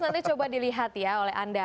nanti coba dilihat ya oleh anda